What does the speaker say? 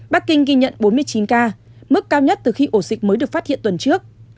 bắc kinh ghi nhận bốn mươi chín ca mức cao nhất từ khi ổ dịch mới được phát hiện tuần trước